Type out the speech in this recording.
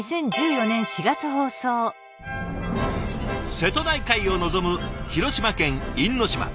瀬戸内海を望む広島県因島。